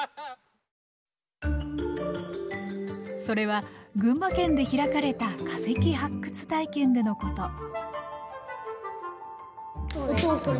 それは群馬県で開かれた化石発掘体験でのこと。